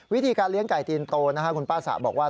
วิธีการเลี้ยงไก่ตีนโตคุณป้าสะบอกว่า